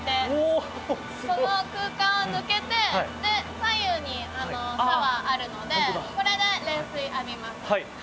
この空間を抜けて左右にシャワーあるのでこれで冷水浴びます。